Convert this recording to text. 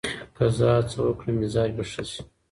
که زه هڅه وکړم، مزاج به ښه شي.